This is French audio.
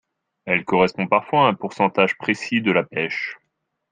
Elle correspond parfois à un pourcentage précis de la pêche.